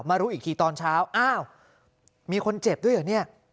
รู้อีกทีตอนเช้าอ้าวมีคนเจ็บด้วยเหรอเนี่ย